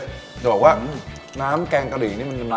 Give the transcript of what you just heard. เดี๋ยวบอกว่าน้ำแกงกะหรี่นี่มันเข้มคล้มมาก